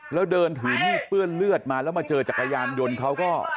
แล้วเดินถือมีดเปื้อนเลือดมาแล้วมาเจอจักรยานยนต์เขาก็